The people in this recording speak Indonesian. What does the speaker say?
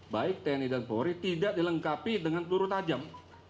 baik tni dan polri tidak dilengkapi dengan peluru tajam